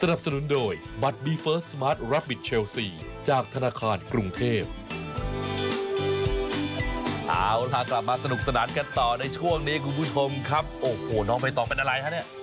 เอาล่ะกลับมาสนุกสนานกันต่อในช่วงนี้คุณผู้ชมครับโอ้โหน้องใบตองเป็นอะไรฮะเนี่ย